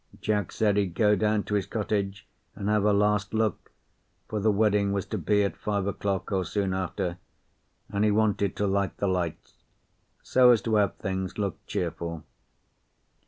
Jack said he'd go down to his cottage and have a last look, for the wedding was to be at five o'clock, or soon after, and he wanted to light the lights, so as to have things look cheerful.